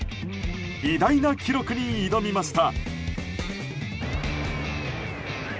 偉大な記録に挑みました。